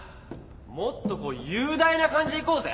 もっとこう雄大な感じでいこうぜ。